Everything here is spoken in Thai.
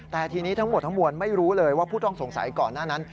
แต่ทีนี้ทั้งหมดทั้งมวลไม่รู้เลยว่าผู้ต้องสงสัยก่อนหน้านั้น